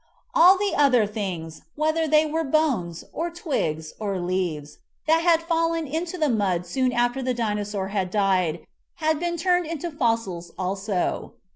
All the other things, whether they were bones, or twigs, or leaves, that had fallen into the mud soon after the Dinosaur had died, had been turned to fossils also.